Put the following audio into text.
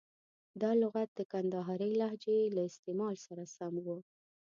دا لغت د کندهارۍ لهجې له استعمال سره سم و.